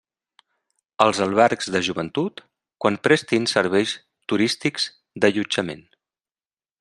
Els albergs de joventut, quan prestin serveis turístics d'allotjament.